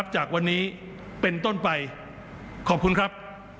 จากวันนี้เป็นต้นไปขอบคุณครับ